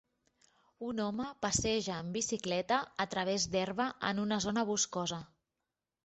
Un home passeja en bicicleta a través d'herba en una zona boscosa.